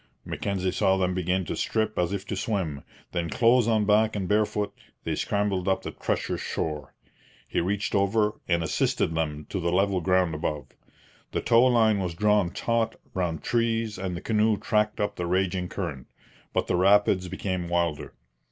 Mackenzie saw them begin to strip as if to swim; then, clothes on back and barefoot, they scrambled up the treacherous shore. He reached over, and assisted them to the level ground above. The tow line was drawn taut round trees and the canoe tracked up the raging current. But the rapids became wilder.